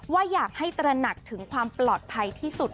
ว่าอยากให้ตระหนักถึงความปลอดภัยที่สุด